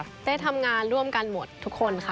ได้ทำงานร่วมกันหมดทุกคนค่ะ